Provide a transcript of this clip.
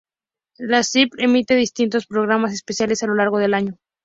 La Script emite distintos programas especiales a lo largo del año.